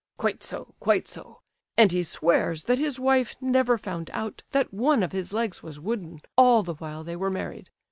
"Quite so, quite so; and he swears that his wife never found out that one of his legs was wooden all the while they were married.